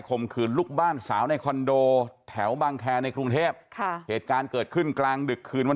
มขืนลูกบ้านสาวในคอนโดแถวบางแคร์ในกรุงเทพค่ะเหตุการณ์เกิดขึ้นกลางดึกคืนวัน